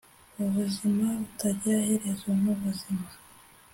ubuzima butagira iherezo n'ubuzima;